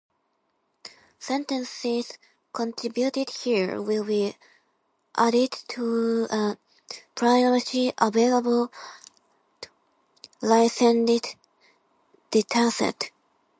Sentences contributed here will be added to a publicly available licensed dataset.